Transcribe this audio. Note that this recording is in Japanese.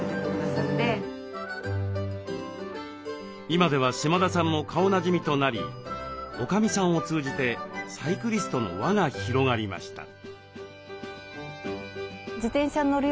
今では島田さんも顔なじみとなりおかみさんを通じてサイクリストの輪が広がりました。